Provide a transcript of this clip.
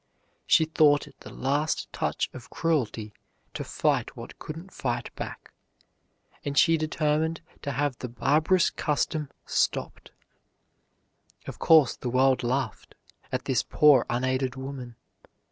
She thought it the last touch of cruelty to fight what couldn't fight back, and she determined to have the barbarous custom stopped. Of course the world laughed at this poor unaided woman.